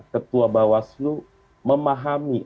ketua bawaslu memahami